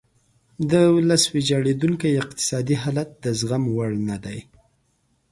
د ولس ویجاړیدونکی اقتصادي حالت د زغم وړ نه دی.